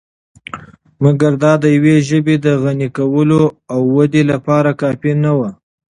مګر دا دیوې ژبې د غني کولو او ودې لپاره کافی نه وو .